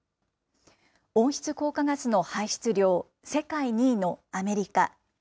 温室効果ガスの排出量世界２位のアメリカ。